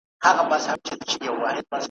نوي غوټۍ به له منګولو د ملیاره څارې `